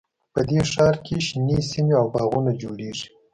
په دې ښار کې شنې سیمې او باغونه جوړیږي